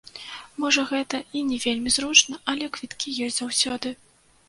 Можа, гэта і не вельмі зручна, але квіткі ёсць заўсёды.